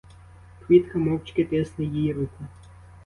Квітка мовчки тисне їй руку.